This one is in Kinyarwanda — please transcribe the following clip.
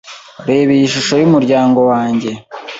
Reba iyi shusho yumuryango wanjye.